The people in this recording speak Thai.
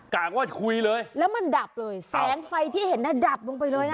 กะว่าคุยเลยแล้วมันดับเลยแสงไฟที่เห็นน่ะดับลงไปเลยน่ะ